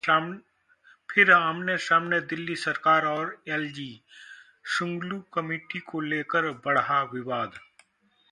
फिर आमने-सामने दिल्ली सरकार और एलजी, शुंगलू कमेटी को लेकर बढ़ा विवाद